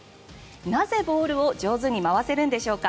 なぜ、ボウルを上手に回せるんでしょうか。